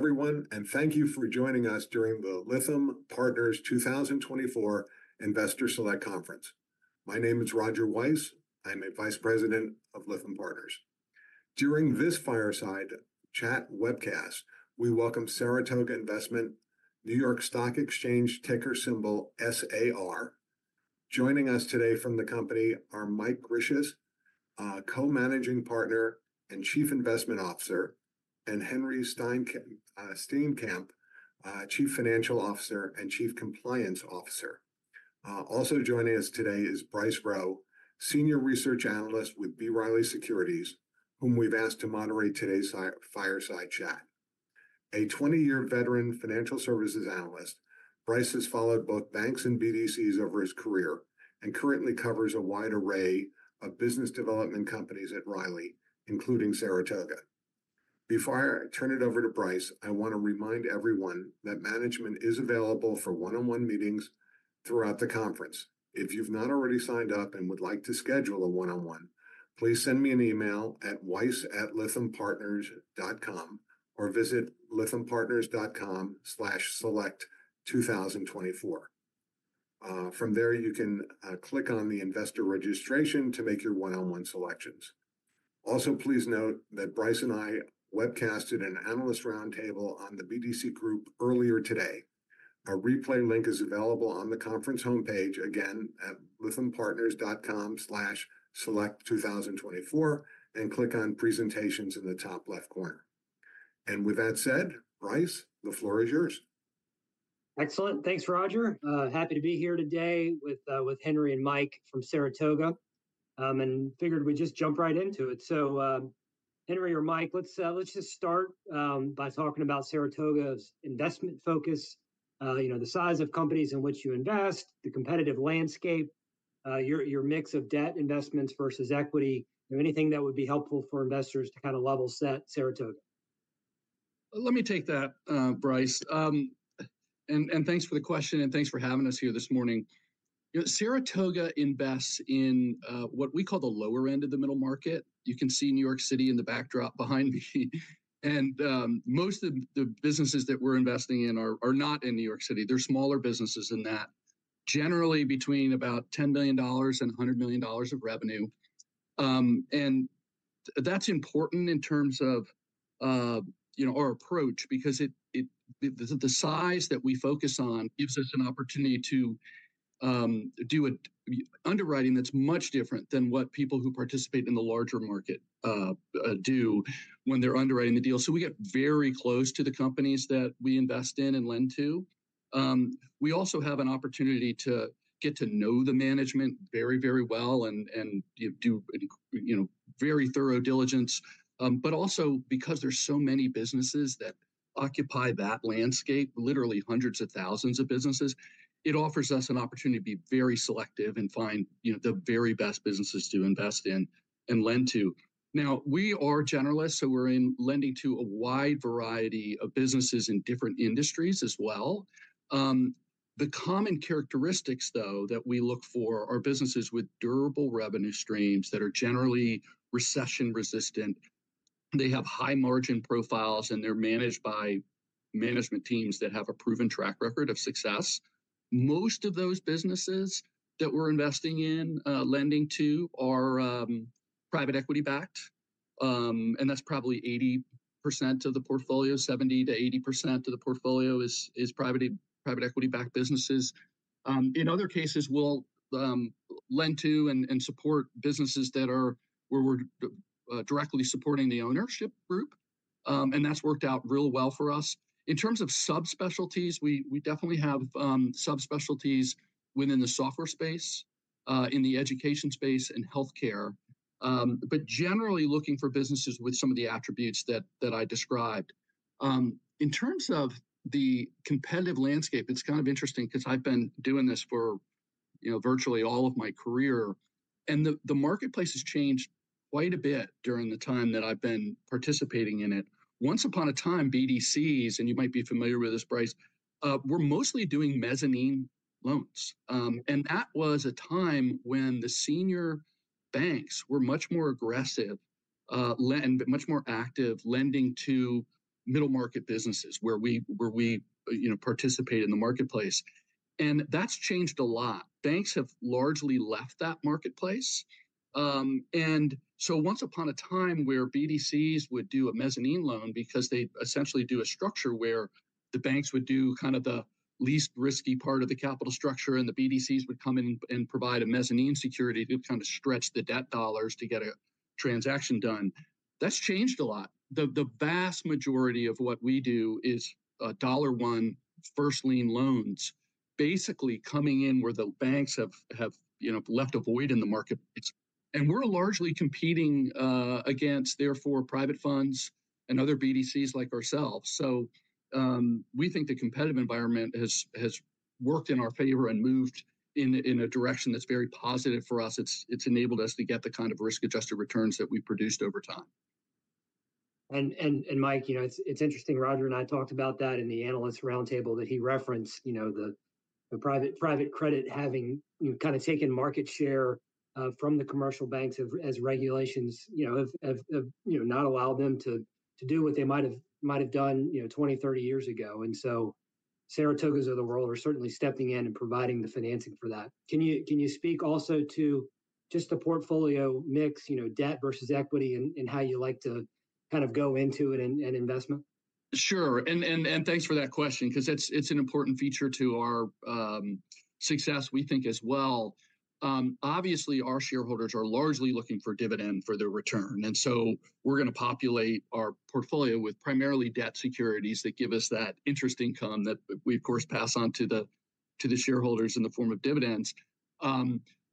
Hello, everyone, and thank you for joining us during the Lytham Partners 2024 Investor Select Conference. My name is Roger Weiss. I'm a Vice President of Lytham Partners. During this fireside chat webcast, we welcome Saratoga Investment, New York Stock Exchange, ticker symbol SAR. Joining us today from the company are Mike Grisius, Co-Managing Partner and Chief Investment Officer, and Henri Steenkamp, Chief Financial Officer and Chief Compliance Officer. Also joining us today is Bryce Rowe, Senior Research Analyst with B. Riley Securities, whom we've asked to moderate today's fireside chat. A 20-year veteran financial services analyst, Bryce has followed both banks and BDCs over his career and currently covers a wide array of business development companies at Riley, including Saratoga. Before I turn it over to Bryce, I want to remind everyone that management is available for one-on-one meetings throughout the conference. If you've not already signed up and would like to schedule a one-on-one, please send me an email at weiss@lythampartners.com or visit lythampartners.com/select2024. From there, you can click on the investor registration to make your one-on-one selections. Also, please note that Bryce and I webcasted an analyst roundtable on the BDC group earlier today. A replay link is available on the conference homepage, again, at lythampartners.com/select2024, and click on Presentations in the top left corner. And with that said, Bryce, the floor is yours. Excellent. Thanks, Roger. Happy to be here today with, with Henri and Mike from Saratoga, and figured we'd just jump right into it. So, Henri or Mike, let's, let's just start, by talking about Saratoga's investment focus, you know, the size of companies in which you invest, the competitive landscape, your, your mix of debt investments versus equity, anything that would be helpful for investors to kind of level set Saratoga. Let me take that, Bryce. Thanks for the question, and thanks for having us here this morning. Saratoga invests in what we call the lower end of the middle market. You can see New York City in the backdrop behind me. Most of the businesses that we're investing in are not in New York City. They're smaller businesses than that, generally between about $10 million and $100 million of revenue. That's important in terms of, you know, our approach, because the size that we focus on gives us an opportunity to do a underwriting that's much different than what people who participate in the larger market do when they're underwriting the deal. So we get very close to the companies that we invest in and lend to. We also have an opportunity to get to know the management very, very well and and do, you know, very thorough diligence. But also because there's so many businesses that occupy that landscape, literally hundreds of thousands of businesses, it offers us an opportunity to be very selective and find, you know, the very best businesses to invest in and lend to. Now, we are generalists, so we're in lending to a wide variety of businesses in different industries as well. The common characteristics, though, that we look for are businesses with durable revenue streams that are generally recession-resistant, they have high margin profiles, and they're managed by management teams that have a proven track record of success. Most of those businesses that we're investing in, lending to are, private equity-backed, and that's probably 80% of the portfolio. 70%-80% of the portfolio is private equity-backed businesses. In other cases, we'll lend to and support businesses that are where we're directly supporting the ownership group, and that's worked out real well for us. In terms of subspecialties, we definitely have subspecialties within the software space, in the education space, and healthcare, but generally looking for businesses with some of the attributes that I described. In terms of the competitive landscape, it's kind of interesting because I've been doing this for, you know, virtually all of my career, and the marketplace has changed quite a bit during the time that I've been participating in it. Once upon a time, BDCs, and you might be familiar with this, Bryce, were mostly doing mezzanine loans. And that was a time when the senior banks were much more aggressive, much more active, lending to middle-market businesses where we participate in the marketplace. And that's changed a lot. Banks have largely left that marketplace. And so once upon a time, where BDCs would do a mezzanine loan because they essentially do a structure where the banks would do kind of the least risky part of the capital structure, and the BDCs would come in and provide a mezzanine security to kind of stretch the debt dollars to get a transaction done. That's changed a lot. The vast majority of what we do is dollar one, first lien loans, basically coming in where the banks have left a void in the marketplace. And we're largely competing against therefore private funds and other BDCs like ourselves. So, we think the competitive environment has worked in our favor and moved in a direction that's very positive for us. It's enabled us to get the kind of risk-adjusted returns that we've produced over time. And Mike, you know, it's interesting, Roger and I talked about that in the analyst roundtable that he referenced, you know, the private credit having, you know, kind of taken market share from the commercial banks as regulations, you know, have not allowed them to do what they might have done, you know, 20, 30 years ago. And so Saratogas of the world are certainly stepping in and providing the financing for that. Can you speak also to just the portfolio mix, you know, debt versus equity, and how you like to kind of go into it in an investment? Sure. And thanks for that question because it's an important feature to our success, we think, as well. Obviously, our shareholders are largely looking for dividend for their return, and so we're gonna populate our portfolio with primarily debt securities that give us that interest income that we, of course, pass on to the shareholders in the form of dividends.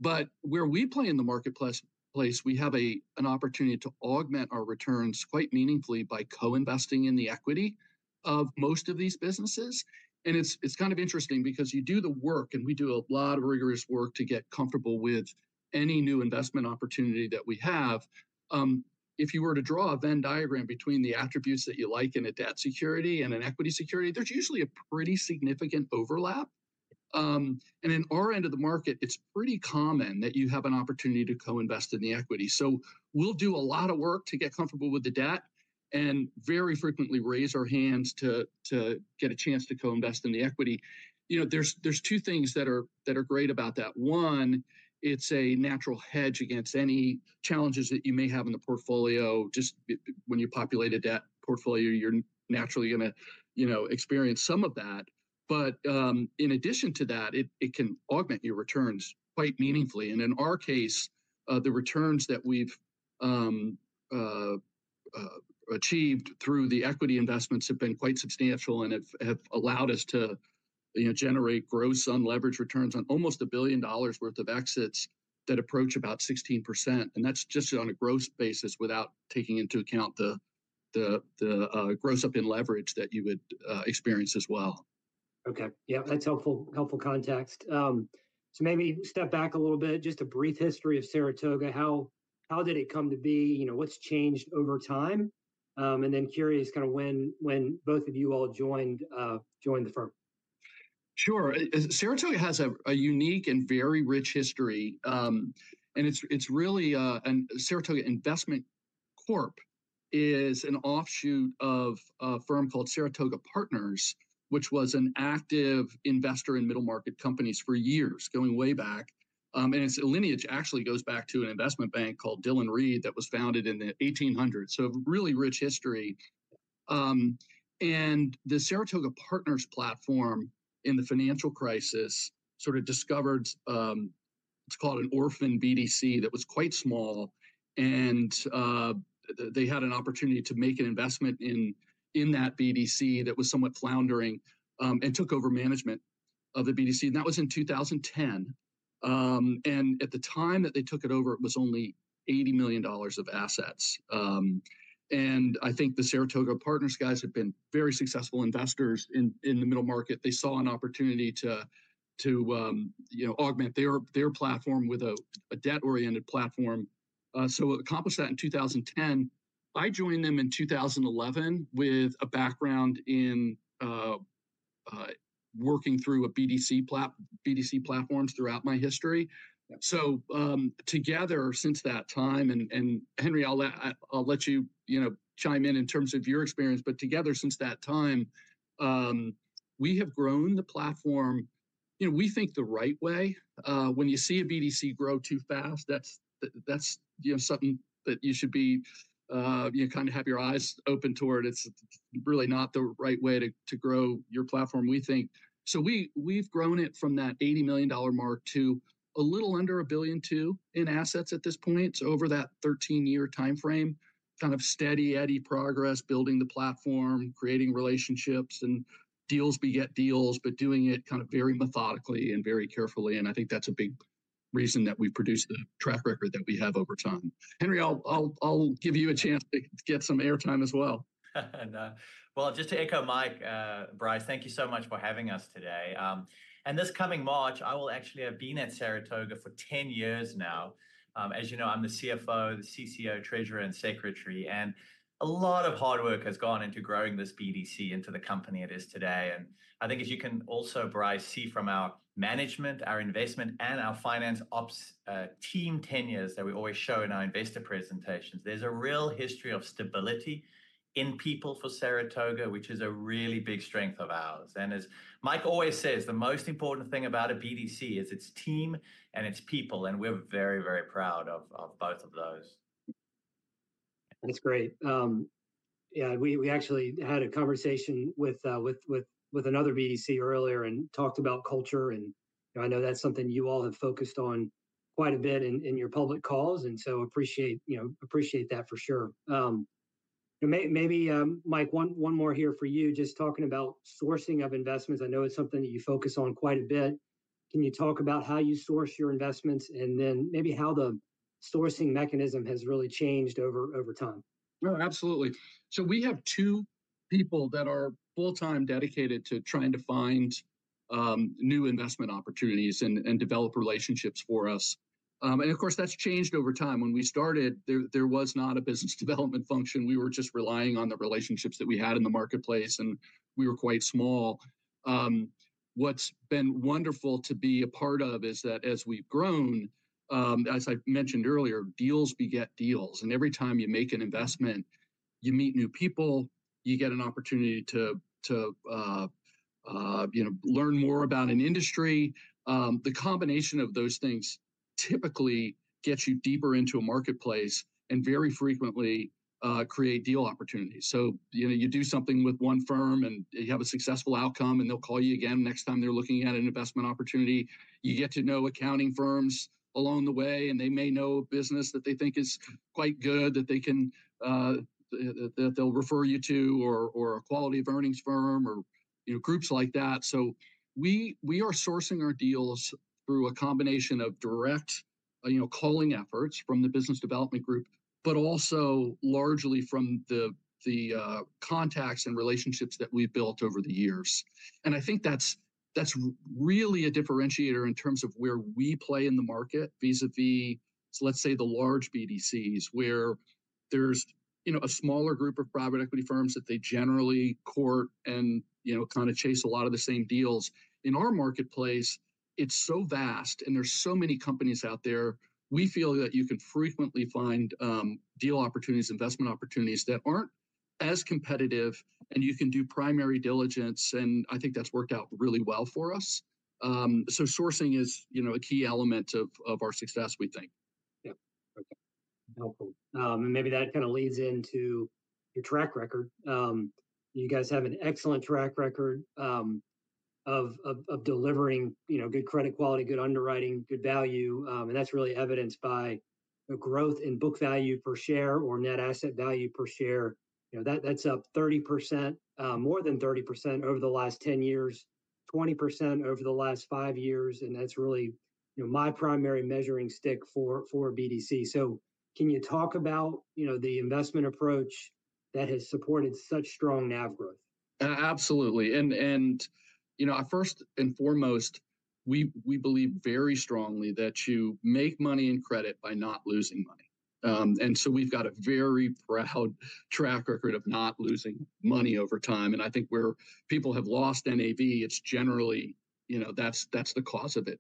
But where we play in the marketplace, we have an opportunity to augment our returns quite meaningfully by co-investing in the equity of most of these businesses. And it's kind of interesting because you do the work, and we do a lot of rigorous work to get comfortable with any new investment opportunity that we have. If you were to draw a Venn diagram between the attributes that you like in a debt security and an equity security, there's usually a pretty significant overlap. And in our end of the market, it's pretty common that you have an opportunity to co-invest in the equity. So we'll do a lot of work to get comfortable with the debt, and very frequently raise our hands to get a chance to co-invest in the equity. You know, there's two things that are great about that. One, it's a natural hedge against any challenges that you may have in the portfolio. Just when you populate a debt portfolio, you're naturally gonna, you know, experience some of that. But in addition to that, it can augment your returns quite meaningfully. In our case, the returns that we've achieved through the equity investments have been quite substantial and have allowed us to, you know, generate gross unleveraged returns on almost a billion-dollar worth of exits that approach about 16%. And that's just on a gross basis without taking into account the gross up in leverage that you would experience as well. Okay. Yeah, that's helpful, helpful context. So maybe step back a little bit, just a brief history of Saratoga. How did it come to be? You know, what's changed over time? And then curious kind of when both of you all joined, joined the firm. Sure. Saratoga has a unique and very rich history. And it's really, and Saratoga Investment Corp. is an offshoot of a firm called Saratoga Partners, which was an active investor in middle-market companies for years, going way back. And its lineage actually goes back to an investment bank called Dillon Read that was founded in the 1800s, so a really rich history. And the Saratoga Partners platform, in the financial crisis, sort of discovered it's called an orphan BDC that was quite small, and they had an opportunity to make an investment in that BDC that was somewhat floundering, and took over management of the BDC, and that was in 2010. And at the time that they took it over, it was only $80 million of assets. And I think the Saratoga Partners guys had been very successful investors in the middle market. They saw an opportunity to you know, augment their platform with a debt-oriented platform. So accomplished that in 2010. I joined them in 2011 with a background in working through BDC platforms throughout my history. So, together since that time, and Henri, I'll let you you know, chime in terms of your experience, but together, since that time, we have grown the platform, you know, we think the right way. When you see a BDC grow too fast, that's you know, something that you should be you kind of have your eyes open toward. It's really not the right way to grow your platform, we think. So we, we've grown it from that $80 million mark to a little under $1.2 billion in assets at this point. So over that 13-year timeframe, kind of steady eddy progress, building the platform, creating relationships and deals beget deals, but doing it kind of very methodically and very carefully, and I think that's a big reason that we've produced the track record that we have over time. Henri, I'll give you a chance to get some airtime as well. Well, just to echo Mike, Bryce, thank you so much for having us today. This coming March, I will actually have been at Saratoga for 10 years now. As you know, I'm the CFO, the CCO, treasurer, and secretary, and a lot of hard work has gone into growing this BDC into the company it is today. I think as you can also, Bryce, see from our management, our investment, and our finance ops, team tenures that we always show in our investor presentations, there's a real history of stability in people for Saratoga, which is a really big strength of ours. As Mike always says, "The most important thing about a BDC is its team and its people," and we're very, very proud of both of those. That's great. Yeah, we actually had a conversation with another BDC earlier and talked about culture, and I know that's something you all have focused on quite a bit in your public calls, and so appreciate, you know, appreciate that for sure. Maybe, Mike, one more here for you, just talking about sourcing of investments. I know it's something that you focus on quite a bit. Can you talk about how you source your investments, and then maybe how the sourcing mechanism has really changed over time? Oh, absolutely. So we have two people that are full-time dedicated to trying to find new investment opportunities and develop relationships for us. And of course, that's changed over time. When we started, there was not a business development function. We were just relying on the relationships that we had in the marketplace, and we were quite small. What's been wonderful to be a part of is that as we've grown, as I mentioned earlier, deals beget deals, and every time you make an investment, you meet new people, you get an opportunity to you know, learn more about an industry. The combination of those things typically gets you deeper into a marketplace, and very frequently create deal opportunities. So, you know, you do something with one firm and you have a successful outcome, and they'll call you again next time they're looking at an investment opportunity. You get to know accounting firms along the way, and they may know a business that they think is quite good, that they can, that they'll refer you to, or a Quality of Earnings firm or, you know, groups like that. So we are sourcing our deals through a combination of direct, you know, calling efforts from the business development group, but also largely from the contacts and relationships that we've built over the years. I think that's really a differentiator in terms of where we play in the market vis-à-vis, let's say, the large BDCs, where there's, you know, a smaller group of private equity firms that they generally court and, you know, kind of chase a lot of the same deals. In our marketplace, it's so vast, and there's so many companies out there, we feel that you can frequently find deal opportunities, investment opportunities, that aren't as competitive, and you can do primary diligence, and I think that's worked out really well for us. So sourcing is, you know, a key element of our success, we think. Yeah. Okay, helpful. And maybe that kind of leads into your track record. You guys have an excellent track record of delivering, you know, good credit quality, good underwriting, good value, and that's really evidenced by the growth in book value per share or net asset value per share. You know, that's up 30%, more than 30% over the last 10 years, 20% over the last 5 years, and that's really, you know, my primary measuring stick for BDC. So can you talk about, you know, the investment approach that has supported such strong NAV growth? Absolutely. And, you know, first and foremost, we believe very strongly that you make money in credit by not losing money. And so we've got a very proud track record of not losing money over time. And I think where people have lost NAV, it's generally, you know, that's the cause of it,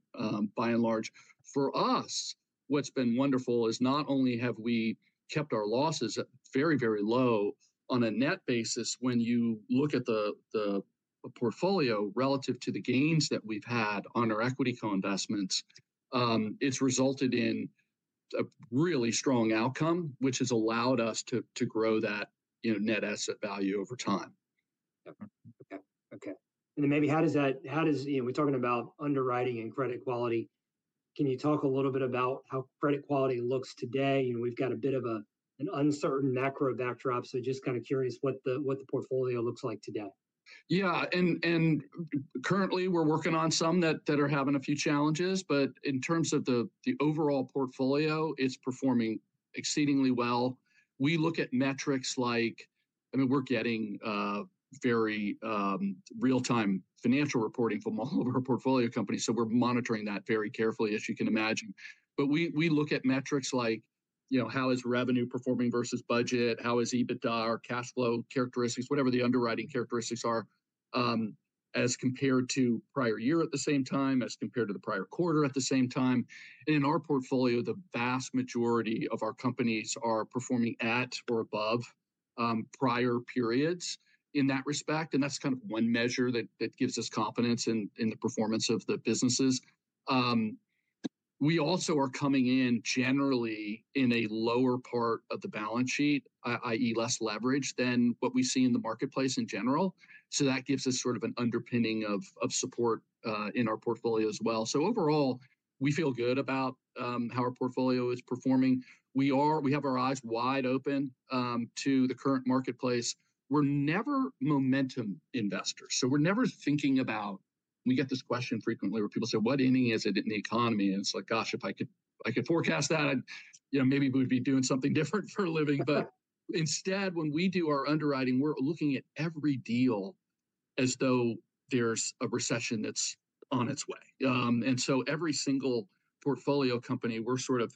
by and large. For us, what's been wonderful is not only have we kept our losses at very, very low on a net basis, when you look at the portfolio relative to the gains that we've had on our equity co-investments, it's resulted in a really strong outcome, which has allowed us to grow that, you know, net asset value over time. Yep. Okay, okay. And then maybe... You know, we're talking about underwriting and credit quality. Can you talk a little bit about how credit quality looks today? You know, we've got a bit of an uncertain macro backdrop, so just kind of curious what the portfolio looks like today. Yeah, and currently, we're working on some that are having a few challenges, but in terms of the overall portfolio, it's performing exceedingly well. We look at metrics like... I mean, we're getting very real-time financial reporting from all of our portfolio companies, so we're monitoring that very carefully, as you can imagine. But we look at metrics like, you know, how is revenue performing versus budget? How is EBITDA or cash flow characteristics, whatever the underwriting characteristics are, as compared to prior year at the same time, as compared to the prior quarter at the same time? And in our portfolio, the vast majority of our companies are performing at or above prior periods in that respect, and that's kind of one measure that gives us confidence in the performance of the businesses. We also are coming in generally in a lower part of the balance sheet, i.e., less leverage than what we see in the marketplace in general. So that gives us sort of an underpinning of support in our portfolio as well. So overall, we feel good about how our portfolio is performing. We have our eyes wide open to the current marketplace. We're never momentum investors, so we're never thinking about... We get this question frequently, where people say: "What inning is it in the economy?" And it's like, gosh, if I could forecast that, you know, maybe we'd be doing something different for a living. But instead, when we do our underwriting, we're looking at every deal as though there's a recession that's on its way. And so every single portfolio company, we're sort of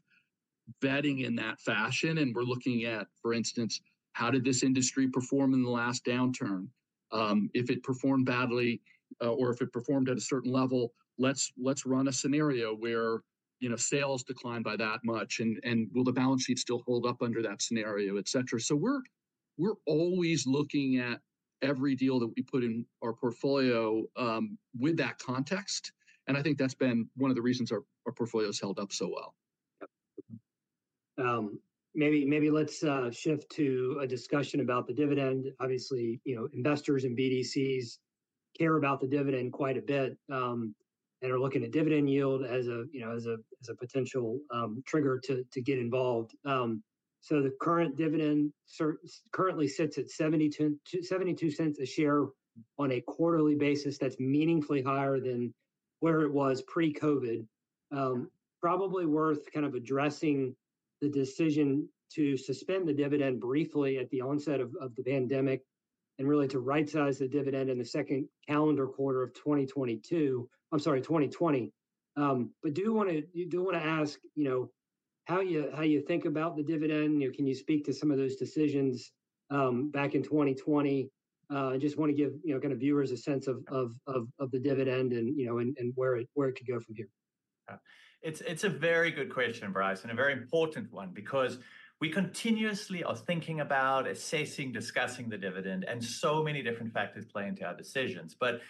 vetting in that fashion, and we're looking at, for instance, how did this industry perform in the last downturn? If it performed badly, or if it performed at a certain level, let's run a scenario where, you know, sales declined by that much, and will the balance sheet still hold up under that scenario, et cetera. So we're always looking at every deal that we put in our portfolio with that context, and I think that's been one of the reasons our portfolio's held up so well. Maybe, maybe let's shift to a discussion about the dividend. Obviously, you know, investors and BDCs care about the dividend quite a bit, and are looking at dividend yield as a, you know, as a, as a potential trigger to get involved. So the current dividend currently sits at $0.72 a share on a quarterly basis. That's meaningfully higher than where it was pre-COVID. Probably worth kind of addressing the decision to suspend the dividend briefly at the onset of the pandemic and really to rightsize the dividend in the second calendar quarter of 2020, I'm sorry, 2020. But do want to ask, you know, how you think about the dividend? You know, can you speak to some of those decisions back in 2020? I just want to give, you know, kind of viewers a sense of the dividend and, you know, and where it could go from here. Yeah. It's, it's a very good question, Bryce, and a very important one because we continuously are thinking about assessing, discussing the dividend, and so many different factors play into our decisions. But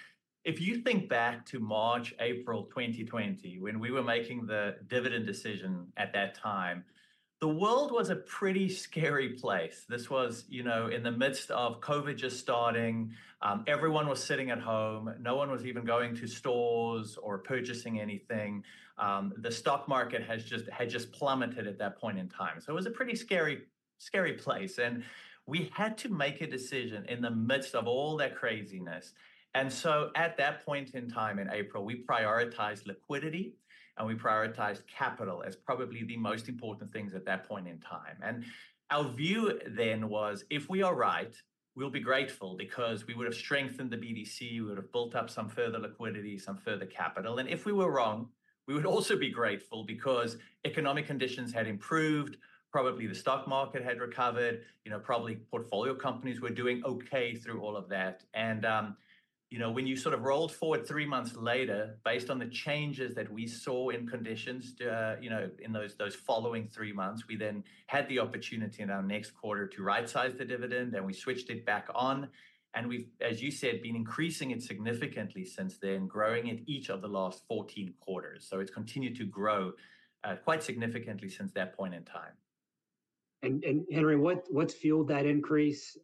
if you think back to March, April 2020, when we were making the dividend decision at that time, the world was a pretty scary place. This was, you know, in the midst of COVID just starting. Everyone was sitting at home. No one was even going to stores or purchasing anything. The stock market had just plummeted at that point in time. So it was a pretty scary, scary place, and we had to make a decision in the midst of all that craziness. And so at that point in time, in April, we prioritized liquidity, and we prioritized capital as probably the most important things at that point in time. And our view then was, if we are right, we'll be grateful because we would've strengthened the BDC, we would've built up some further liquidity, some further capital. And if we were wrong, we would also be grateful because economic conditions had improved, probably the stock market had recovered, you know, probably portfolio companies were doing okay through all of that. And, you know, when you sort of rolled forward three months later, based on the changes that we saw in conditions, you know, in those following three months, we then had the opportunity in our next quarter to rightsize the dividend, and we switched it back on. And we've, as you said, been increasing it significantly since then, growing it each of the last 14 quarters. So it's continued to grow, quite significantly since that point in time. Henri, what's fueled that increase?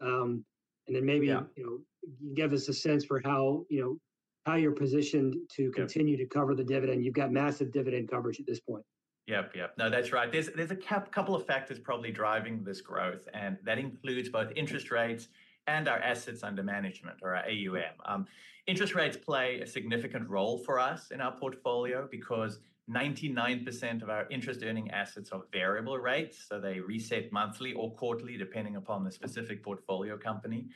And then maybe- Yeah... you know, give us a sense for how, you know, how you're positioned- Yeah... to continue to cover the dividend. You've got massive dividend coverage at this point. Yep, yep. No, that's right. There's a couple of factors probably driving this growth, and that includes both interest rates and our assets under management or our AUM. Interest rates play a significant role for us in our portfolio because 99% of our interest-earning assets are variable rates, so they reset monthly or quarterly, depending upon the specific portfolio company.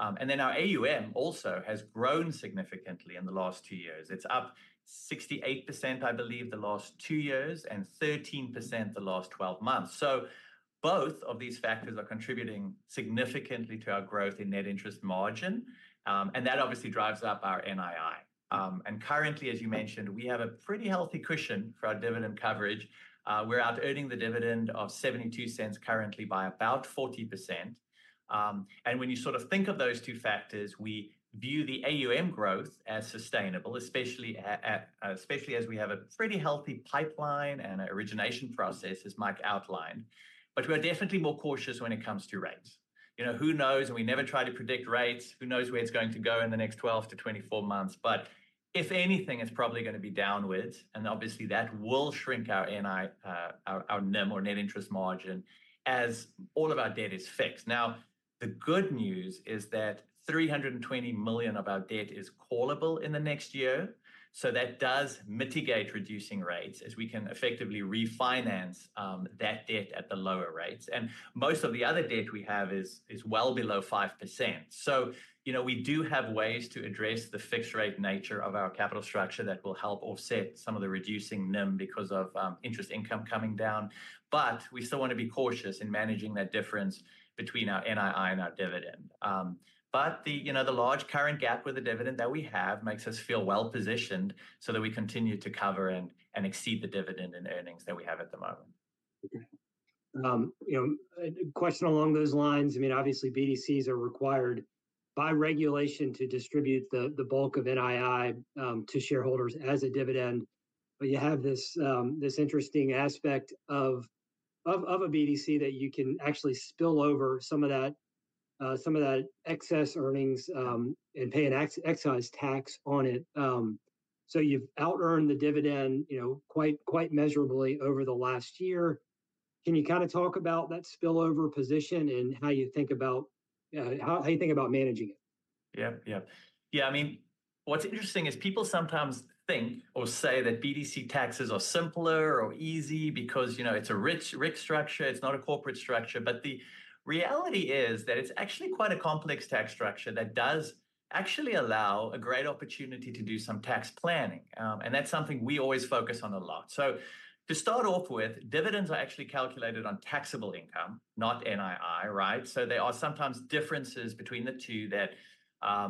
And then our AUM also has grown significantly in the last two years. It's up 68%, I believe, the last two years, and 13% the last twelve months. So both of these factors are contributing significantly to our growth in net interest margin, and that obviously drives up our NII. And currently, as you mentioned, we have a pretty healthy cushion for our dividend coverage. We're outearning the dividend of $0.72 currently by about 40%. And when you sort of think of those two factors, we view the AUM growth as sustainable, especially as we have a pretty healthy pipeline and origination process, as Mike outlined. But we are definitely more cautious when it comes to rates. You know, who knows? And we never try to predict rates. Who knows where it's going to go in the next 12-24 months, but if anything, it's probably gonna be downwards, and obviously, that will shrink our NIM or net interest margin, as all of our debt is fixed. Now, the good news is that $320 million of our debt is callable in the next year, so that does mitigate reducing rates, as we can effectively refinance that debt at the lower rates. Most of the other debt we have is well below 5%. So, you know, we do have ways to address the fixed rate nature of our capital structure that will help offset some of the reducing NIM because of interest income coming down, but we still want to be cautious in managing that difference between our NII and our dividend. But you know, the large current gap with the dividend that we have makes us feel well-positioned so that we continue to cover and exceed the dividend and earnings that we have at the moment. Okay. You know, question along those lines. I mean, obviously, BDCs are required by regulation to distribute the bulk of NII to shareholders as a dividend. But you have this interesting aspect of a BDC that you can actually spill over some of that excess earnings and pay an excise tax on it. So you've outearned the dividend, you know, quite measurably over the last year. Can you kind of talk about that spillover position and how you think about managing it? Yep, yep. Yeah, I mean, what's interesting is people sometimes think or say that BDC taxes are simpler or easy because, you know, it's a RIC structure, it's not a corporate structure. But the reality is that it's actually quite a complex tax structure that does actually allow a great opportunity to do some tax planning. And that's something we always focus on a lot. So to start off with, dividends are actually calculated on taxable income, not NII, right? So there are sometimes differences between the two that,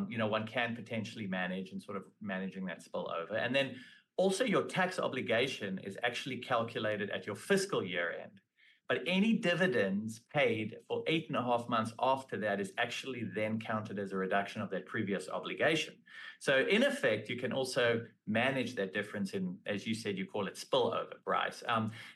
you know, one can potentially manage in sort of managing that spillover. And then, also, your tax obligation is actually calculated at your fiscal year-end, but any dividends paid for 8.5 months after that is actually then counted as a reduction of that previous obligation. So in effect, you can also manage that difference in, as you said, you call it spillover, Bryce.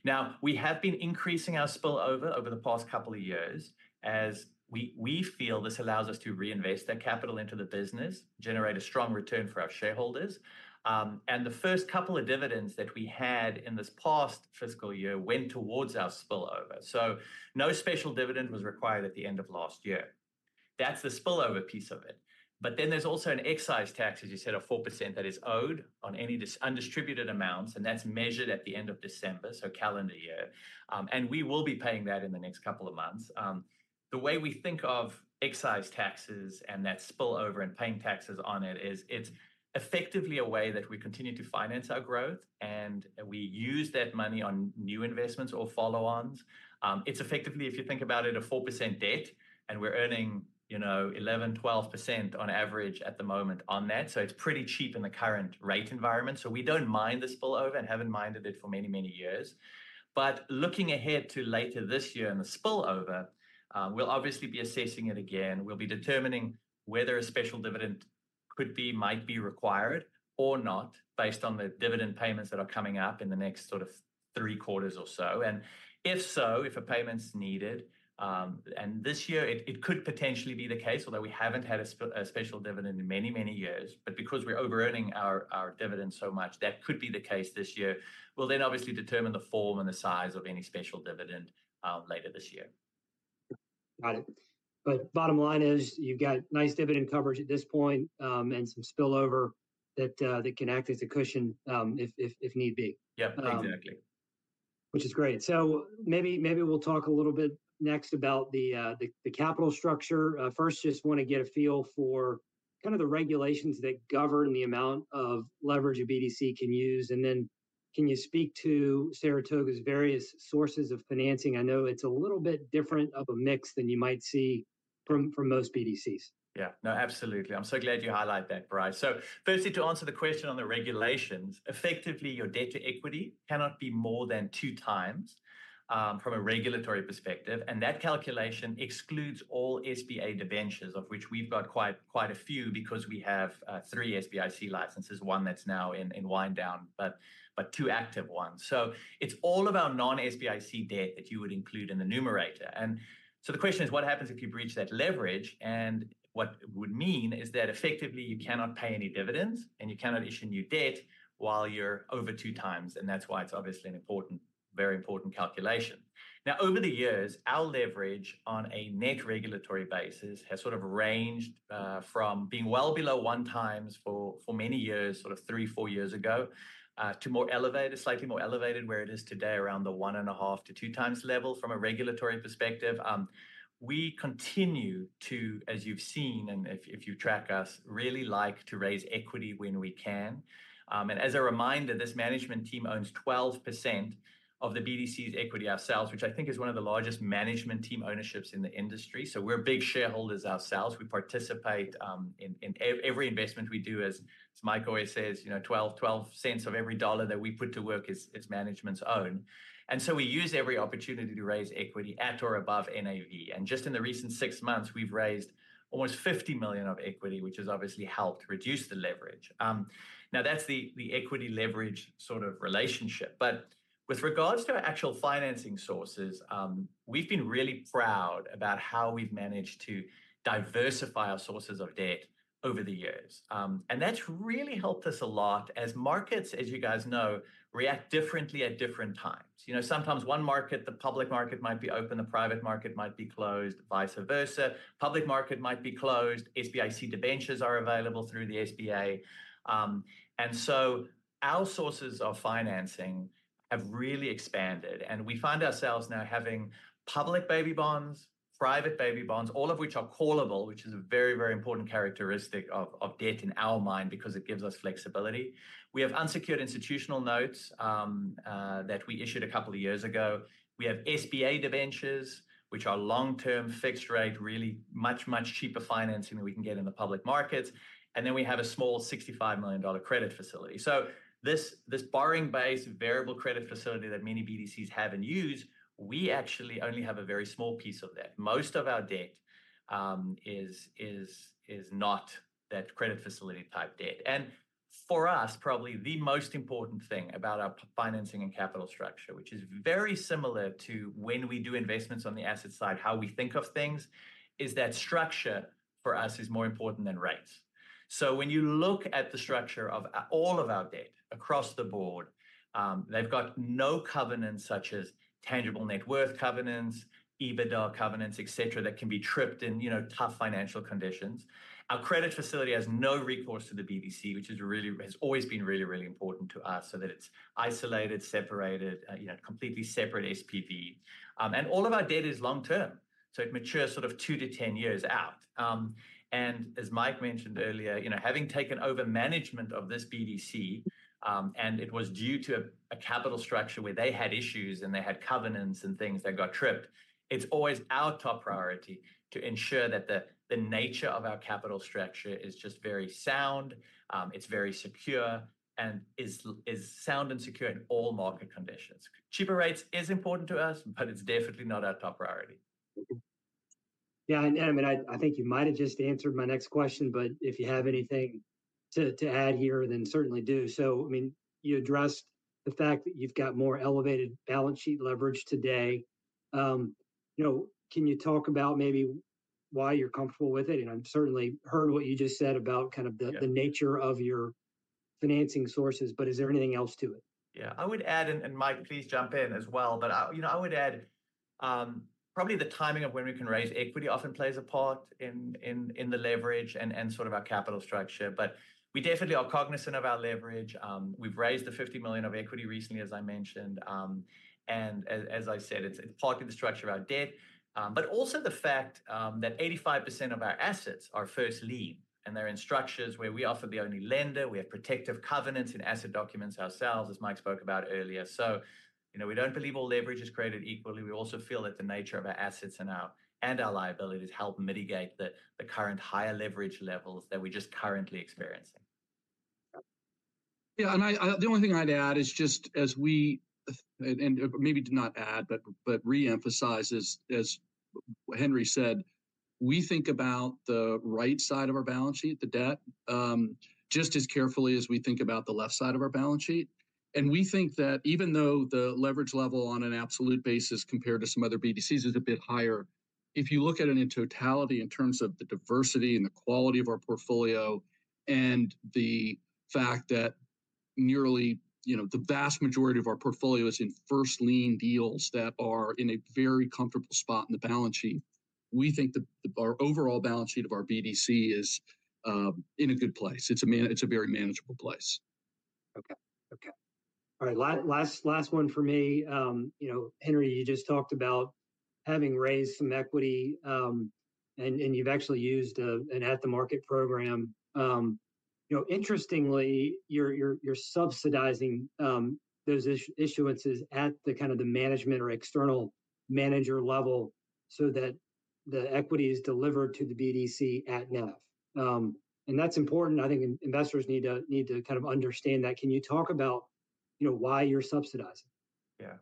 Now, we have been increasing our spillover over the past couple of years, as we feel this allows us to reinvest that capital into the business, generate a strong return for our shareholders. And the first couple of dividends that we had in this past fiscal year went towards our spillover, so no special dividend was required at the end of last year. That's the spillover piece of it, but then there's also an excise tax, as you said, of 4% that is owed on any undistributed amounts, and that's measured at the end of December, so calendar year. And we will be paying that in the next couple of months. The way we think of excise taxes and that spillover and paying taxes on it is, it's effectively a way that we continue to finance our growth, and, and we use that money on new investments or follow-ons. It's effectively, if you think about it, a 4% debt, and we're earning, you know, 11%-12% on average at the moment on that. So it's pretty cheap in the current rate environment. So we don't mind the spillover and haven't minded it for many, many years. But looking ahead to later this year and the spillover, we'll obviously be assessing it again. We'll be determining whether a special dividend could be, might be required or not, based on the dividend payments that are coming up in the next sort of three quarters or so. And if so, if a payment's needed, and this year it could potentially be the case, although we haven't had a special dividend in many, many years. But because we're overearning our dividends so much, that could be the case this year. We'll then obviously determine the form and the size of any special dividend later this year. Got it. But bottom line is, you've got nice dividend coverage at this point, and some spillover that that can act as a cushion, if need be. Yep, exactly. Which is great. So maybe, maybe we'll talk a little bit next about the capital structure. First, just wanna get a feel for kind of the regulations that govern the amount of leverage a BDC can use, and then can you speak to Saratoga's various sources of financing? I know it's a little bit different of a mix than you might see from most BDCs. Yeah. No, absolutely. I'm so glad you highlight that, Bryce. So firstly, to answer the question on the regulations, effectively, your debt to equity cannot be more than 2x from a regulatory perspective, and that calculation excludes all SBA debentures, of which we've got quite a few, because we have three SBIC licenses, one that's now in wind down, but two active ones. So it's all of our non-SBIC debt that you would include in the numerator. And so the question is, what happens if you breach that leverage? And what it would mean is that effectively, you cannot pay any dividends, and you cannot issue new debt while you're over 2x, and that's why it's obviously an important, very important calculation. Now, over the years, our leverage on a net regulatory basis has sort of ranged from being well below 1x for many years, sort of 3-4 years ago, to more elevated, slightly more elevated, where it is today, around the 1.5-2x level from a regulatory perspective. We continue to, as you've seen, and if you track us, really like to raise equity when we can. And as a reminder, this management team owns 12% of the BDC's equity ourselves, which I think is one of the largest management team ownerships in the industry. So we're big shareholders ourselves. We participate in every investment we do, as Mike always says, you know, 12 cents of every dollar that we put to work is management's own. And so we use every opportunity to raise equity at or above NAV. And just in the recent six months, we've raised almost $50 million of equity, which has obviously helped reduce the leverage. Now, that's the equity leverage sort of relationship. But with regards to our actual financing sources, we've been really proud about how we've managed to diversify our sources of debt over the years. And that's really helped us a lot as markets, as you guys know, react differently at different times. You know, sometimes one market, the public market, might be open, the private market might be closed, vice versa. Public market might be closed, SBIC debentures are available through the SBA. Our sources of financing have really expanded, and we find ourselves now having public Baby Bonds, private Baby Bonds, all of which are callable, which is a very, very important characteristic of debt in our mind because it gives us flexibility. We have unsecured institutional notes that we issued a couple of years ago. We have SBA debentures, which are long-term, fixed-rate, really much, much cheaper financing than we can get in the public markets. And then we have a small $65 million credit facility. So this borrowing base variable credit facility that many BDCs have and use, we actually only have a very small piece of that. Most of our debt is not that credit facility type debt. For us, probably the most important thing about our financing and capital structure, which is very similar to when we do investments on the asset side, how we think of things, is that structure for us is more important than rates. So when you look at the structure of all of our debt across the board, they've got no covenants such as tangible net worth covenants, EBITDA covenants, et cetera, that can be tripped in, you know, tough financial conditions. Our credit facility has no recourse to the BDC, which has always been really, really important to us, so that it's isolated, separated, you know, completely separate SPV. All of our debt is long term, so it matures sort of two-10 years out. As Mike mentioned earlier, you know, having taken over management of this BDC, and it was due to a capital structure where they had issues, and they had covenants and things that got tripped, it's always our top priority to ensure that the nature of our capital structure is just very sound, it's very secure, and is sound and secure in all market conditions. Cheaper rates is important to us, but it's definitely not our top priority. Yeah, and, I mean, I think you might have just answered my next question, but if you have anything to add here, then certainly do. So, I mean, you addressed the fact that you've got more elevated balance sheet leverage today. You know, can you talk about maybe why you're comfortable with it? And I've certainly heard what you just said about kind of the- Yeah ...the nature of your financing sources, but is there anything else to it? Yeah, I would add, and Mike, please jump in as well, but I, you know, I would add probably the timing of when we can raise equity often plays a part in the leverage and sort of our capital structure. But we definitely are cognizant of our leverage. We've raised $50 million of equity recently, as I mentioned. And as I said, it's part of the structure of our debt. But also the fact that 85% of our assets are first lien, and they're in structures where we offer the only lender, we have protective covenants and asset documents ourselves, as Mike spoke about earlier. So, you know, we don't believe all leverage is created equally. We also feel that the nature of our assets and our liabilities help mitigate the current higher leverage levels that we're just currently experiencing. Yeah, and I, the only thing I'd add is just as we, maybe to not add, but re-emphasize as Henri said, we think about the rightside of our balance sheet, the debt, just as carefully as we think about the left side of our balance sheet. And we think that even though the leverage level on an absolute basis compared to some other BDCs is a bit higher, if you look at it in totality in terms of the diversity and the quality of our portfolio, and the fact that nearly, you know, the vast majority of our portfolio is in first-lien deals that are in a very comfortable spot in the balance sheet, we think the, our overall balance sheet of our BDC is, in a good place. It's a very manageable place. Okay. Okay. All right, last one for me. You know, Henri, you just talked about having raised some equity, and you've actually used an at-the-market program. You know, interestingly, you're subsidizing those issuances at the kind of the management or external manager level so that the equity is delivered to the BDC at NAV. And that's important. I think investors need to kind of understand that. Can you talk about, you know, why you're subsidizing? Yeah.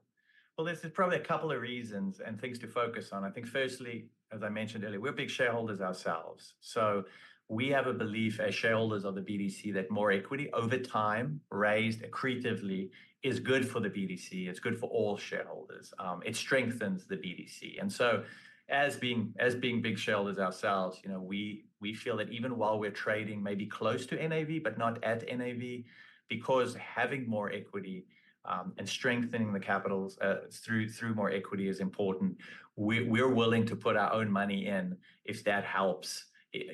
Well, there's probably a couple of reasons and things to focus on. I think firstly, as I mentioned earlier, we're big shareholders ourselves. So we have a belief as shareholders of the BDC that more equity over time, raised accretively, is good for the BDC. It's good for all shareholders. It strengthens the BDC. And so as being big shareholders ourselves, you know, we feel that even while we're trading maybe close to NAV but not at NAV, because having more equity and strengthening the capitals through more equity is important, we're willing to put our own money in if that helps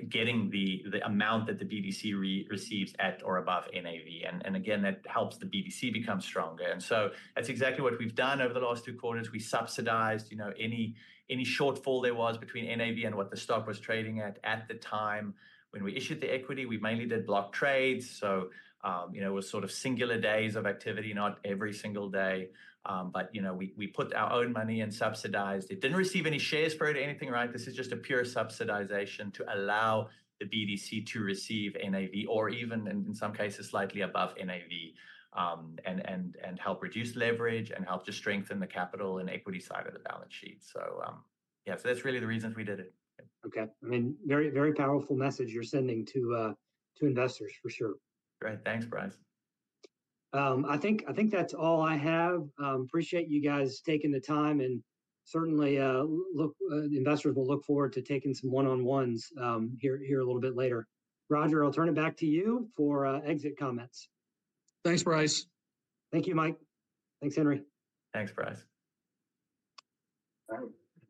getting the amount that the BDC receives at or above NAV. And again, that helps the BDC become stronger, and so that's exactly what we've done over the last two quarters. We subsidized, you know, any shortfall there was between NAV and what the stock was trading at, at the time. When we issued the equity, we mainly did block trades, so, you know, it was sort of singular days of activity, not every single day. But, you know, we put our own money in, subsidized it. Didn't receive any shares for it or anything, right? This is just a pure subsidization to allow the BDC to receive NAV or even in some cases, slightly above NAV, and help reduce leverage and help to strengthen the capital and equity side of the balance sheet. So, yeah, so that's really the reasons we did it. Okay. I mean, very, very powerful message you're sending to, to investors, for sure. Great. Thanks, Bryce. I think that's all I have. Appreciate you guys taking the time, and certainly, look, the investors will look forward to taking some one-on-ones, here a little bit later. Roger, I'll turn it back to you for exit comments. Thanks, Bryce. Thank you, Mike. Thanks, Henri. Thanks, Bryce.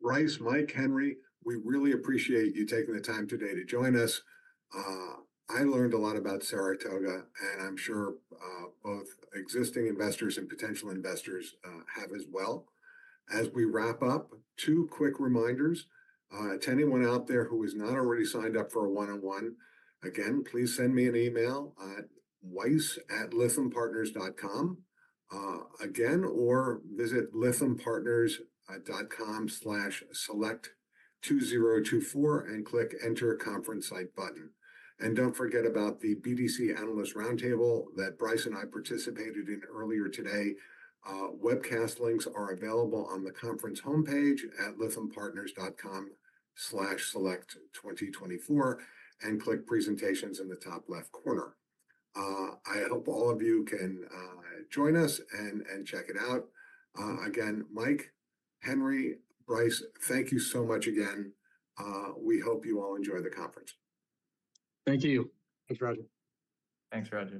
Bryce, Mike, Henri, we really appreciate you taking the time today to join us. I learned a lot about Saratoga, and I'm sure both existing investors and potential investors have as well. As we wrap up, two quick reminders. To anyone out there who has not already signed up for a one-on-one, again, please send me an email at weiss@lythampartners.com, again, or visit lythampartners.com/select2024 and click Enter Conference Site button. Don't forget about the BDC Analyst Roundtable that Bryce and I participated in earlier today. Webcast links are available on the conference homepage at lythampartners.com/select2024, and click Presentations in the top left corner. I hope all of you can join us and check it out. Again, Mike, Henri, Bryce, thank you so much again. We hope you all enjoy the conference. Thank you. Thanks, Roger. Thanks, Roger.